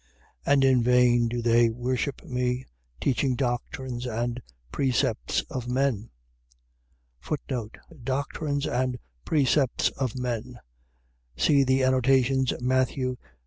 And in vain do they worship me, teaching doctrines and precepts of men. Doctrines and precepts of men. . .See the annotations, Matt. 15.